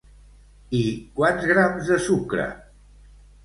I quants grams de sucre?